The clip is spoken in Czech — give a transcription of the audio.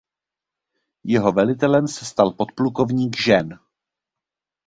Jeho velitelem se stal pplk. žen.